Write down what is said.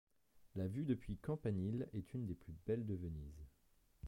La vue depuis le campanile est une des plus belles de Venise.